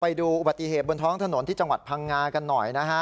ไปดูอุบัติเหตุบนท้องถนนที่จังหวัดพังงากันหน่อยนะฮะ